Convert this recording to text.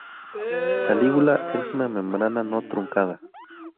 La lígula es una membrana no truncada.